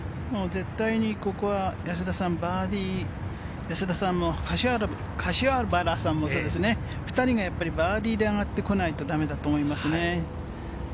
絶対に、ここは安田さん、柏原さんも２人がやっぱりバーディーで上がってこないと駄目だと思いますね。